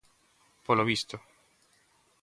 Polo visto.